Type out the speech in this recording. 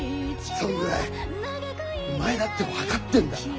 そんぐらいお前だって分かってんだろ。